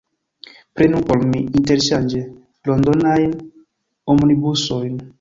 Prenu por mi, interŝanĝe, Londonajn Omnibusojn.